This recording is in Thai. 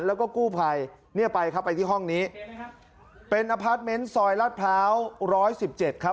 แล้วก็กู้ภัยไปที่ห้องนี้เป็นอพาร์ทเมนต์ซอยรัฐพร้าวร้อยสิบเจ็ด